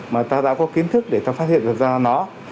mà ta đã có kiến thức để ta phát hiện được ra nó